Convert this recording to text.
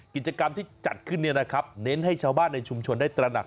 กิจกรรมที่จัดขึ้นเน้นให้ชาวบ้านในชุมชนได้ตระหนัก